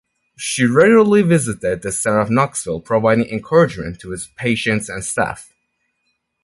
She regularly visited the center in Knoxville, providing encouragement to its patients and staff.